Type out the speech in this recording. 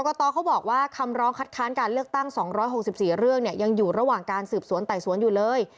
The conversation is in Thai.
กตเขาบอกว่าคำร้องคัดค้านการเลือกตั้ง๒๖๔เรื่องเนี่ยยังอยู่ระหว่างการสืบสวนไต่สวนอยู่เลย